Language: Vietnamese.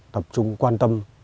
tập trung quan tâm